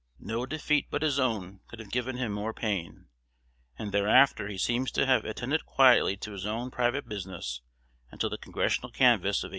No defeat but his own could have given him more pain; and thereafter he seems to have attended quietly to his own private business until the Congressional canvass of 1846.